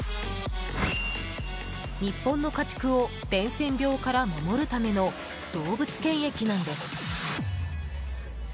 日本の家畜を伝染病から守るための動物検疫なんです。